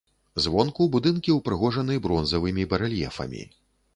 Звонку будынкі ўпрыгожаны бронзавымі барэльефамі.